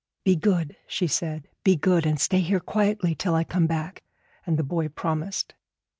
'Be good,' she said; 'be good, and stay here quietly till I come back;' and the boy promised.